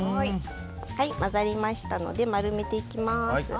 混ざりましたので丸めていきます。